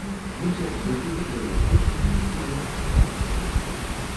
Месяц, які выдралі з восені, будзе адчувальны.